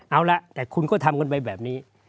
เอาละแต่คุณก็ทำกันไปแบบนี้